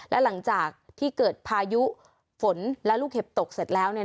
และหลังจากที่เกิดพายุฝนและลูกเห็บตกเสร็จแล้วเนี่ย